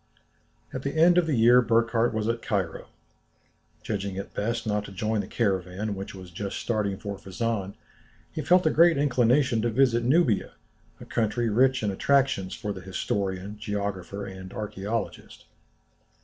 At the end of the year Burckhardt was at Cairo. Judging it best not to join the caravan which was just starting for Fezzan, he felt a great inclination to visit Nubia, a country rich in attractions for the historian, geographer, and archæologist.